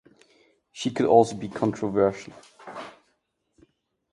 She could also be controversial.